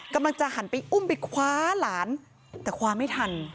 กำลังจะหันไปอุ้มไปคว้าหลานแต่คว้าไม่ทัน